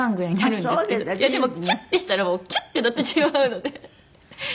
でもキュッてしたらキュッてなってしまうので。